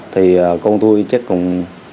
thì con tôi chết cùng